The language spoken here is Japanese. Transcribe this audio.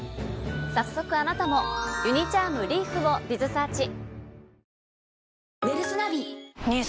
早速あなたも「ユニ・チャームＲｅｆＦ」をｂｉｚｓｅａｒｃｈ。